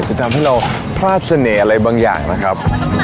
จะทำให้เราพลาดเสน่ห์อะไรบางอย่างนะครับ